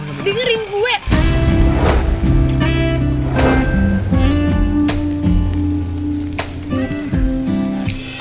gue gak mau denger apa apa kok